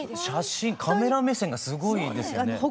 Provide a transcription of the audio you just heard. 写真カメラ目線がすごいですよね。